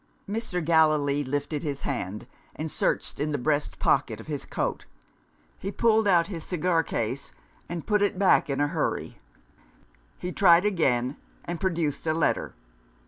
Mr. Gallilee lifted his hand, and searched in the breast pocket of his coat. He pulled out his cigar case, and put it back in a hurry. He tried again, and produced a letter.